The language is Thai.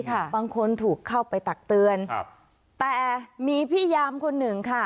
ค่ะบางคนถูกเข้าไปตักเตือนครับแต่มีพี่ยามคนหนึ่งค่ะ